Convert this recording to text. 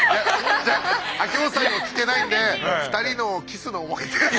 じゃあ秋元さんに聞けないんで２人のキスの思い出。